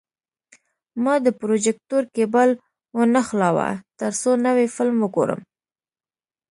ما د پروجیکتور کیبل ونښلاوه، ترڅو نوی فلم وګورم.